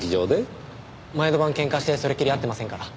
前の晩ケンカしてそれっきり会ってませんから。